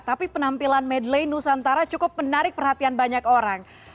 tapi penampilan medley nusantara cukup menarik perhatian banyak orang